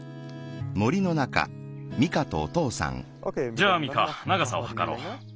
じゃあミカながさをはかろう。